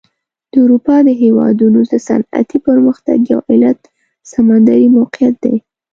د اروپا د هېوادونو صنعتي پرمختګ یو علت سمندري موقعیت دی.